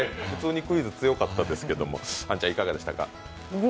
普通にクイズ強かったですけどアンちゃん、いかがでしたか？